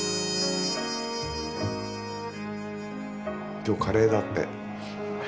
今日カレーだって。